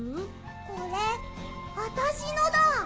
これあたしのだ。